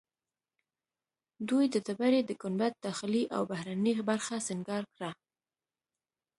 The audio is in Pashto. دوی د ډبرې د ګنبد داخلي او بهرنۍ برخه سنګار کړه.